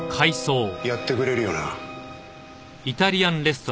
やってくれるよな？